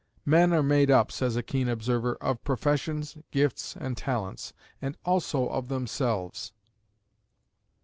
"Men are made up," says a keen observer, "of professions, gifts, and talents; and also of themselves."